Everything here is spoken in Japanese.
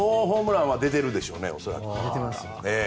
ホームランは恐らく出てるでしょうね。